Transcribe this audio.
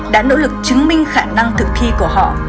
đã nỗ lực chứng minh khả năng thực thi của họ